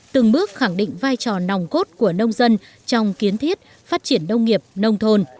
từng bước khẳng định vai trò nòng cốt của nông dân trong kiến thiết phát triển nông nghiệp nông thôn